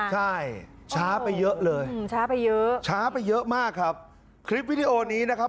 ใช่ช้าไปเยอะเลยช้าไปเยอะช้าไปเยอะมากครับคลิปวิดีโอนี้นะครับ